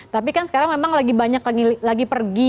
tapi kan sekarang memang lagi banyak lagi pergi